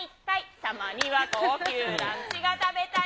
たまには高級ランチが食べたい。